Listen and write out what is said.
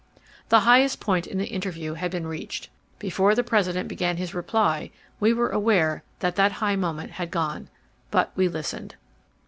The highest point in the interview had been reached. Before the President began his reply, we were aware that the high moment had gone. But we listened.